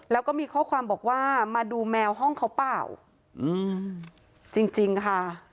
แล้วก็มีข้อความบอกว่ามาดูแมวห้องเขาเปล่าอืมจริงจริงค่ะ